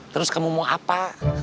terus kamu mau apa